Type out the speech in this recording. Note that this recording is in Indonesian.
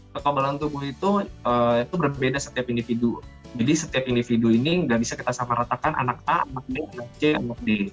kekebalan tubuh itu berbeda setiap individu jadi setiap individu ini nggak bisa kita samaratakan anak a sama d anak c sama d